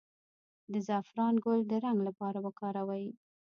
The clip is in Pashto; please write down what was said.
د زعفران ګل د رنګ لپاره وکاروئ